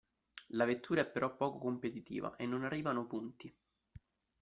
La vettura è però poco competitiva e non arrivano punti.